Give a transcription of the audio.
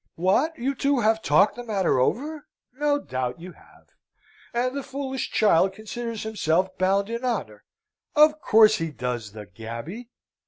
"What? You two have talked the matter over? No doubt you have. And the foolish child considers himself bound in honour of course he does, the gaby!"